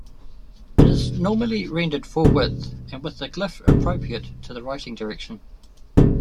It is normally rendered fullwidth and with a glyph appropriate to the writing direction.